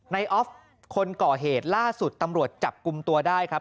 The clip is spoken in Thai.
ออฟคนก่อเหตุล่าสุดตำรวจจับกลุ่มตัวได้ครับ